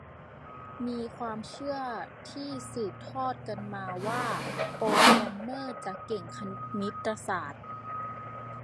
มีความเชื่อที่สืบทอดกันว่าว่าโปรแกรมเมอร์จะเก่งคณิตศาสตร์